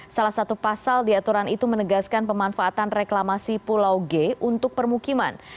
salah satu pasal di aturan itu menegaskan pemanfaatan reklamasi pulau g untuk permukiman